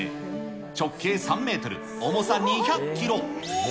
直径３メートル、重さ２００キロ。